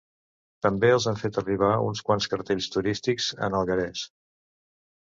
També els han fet arribar uns quants cartells turístics en alguerès.